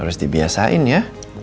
harus dibiasain ya